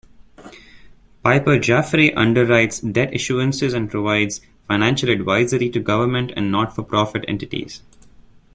Piper Jaffray underwrites debt issuances and provides financial advisory to government and not-for-profit entities.